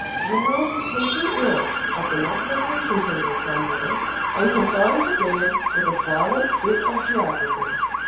"You will be taken ill of the multiplication table some day, and confined to bed with a violent fit of geography!